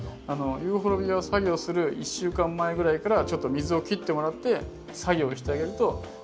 ユーフォルビアを作業する１週間前ぐらいからちょっと水を切ってもらって作業をしてあげると樹液も飛ばない